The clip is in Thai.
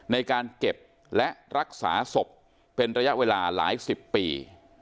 ในการเก็บและรักษาศพเป็นระยะเวลาหลายสิบปี